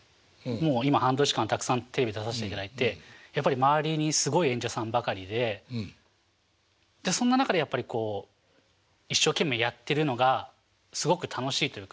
もう今半年間たくさんテレビ出させていただいてやっぱり周りにすごい演者さんばかりでそんな中でやっぱりこう一生懸命やってるのがすごく楽しいというか。